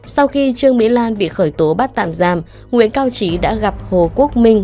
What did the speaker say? sau khi trương mỹ lan bị khởi tố bắt tạm giam nguyễn cao trí đã gặp hồ quốc minh